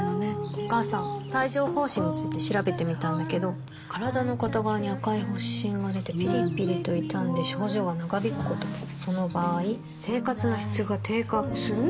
お母さん帯状疱疹について調べてみたんだけど身体の片側に赤い発疹がでてピリピリと痛んで症状が長引くこともその場合生活の質が低下する？